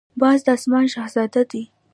باز د آسمان شهزاده دی